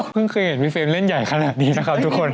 เพิ่งเคยเห็นวิเฟรมเล่นใหญ่ขนาดนี้นะคะทุกคน